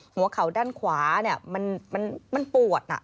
หัวเข่าด้านขวามันปวด